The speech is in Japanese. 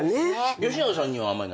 吉永さんにはあんまりない？